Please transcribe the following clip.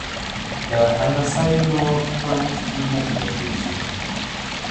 که هندسه وي نو کونج نه کږیږي.